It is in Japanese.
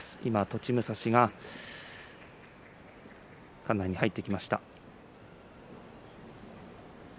栃武蔵が今館内に入ってきました。